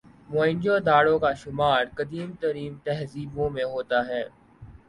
موئن جو دڑو کا شمار قدیم ترین تہذیبوں میں ہوتا ہے